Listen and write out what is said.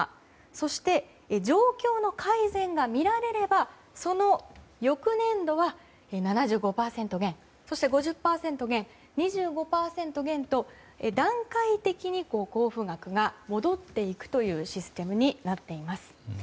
そして状況の改善が見られればその翌年度は７５％減そして５０％減そして２５％減と段階的に交付額が戻っていくというシステムになっています。